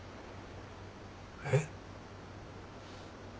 えっ？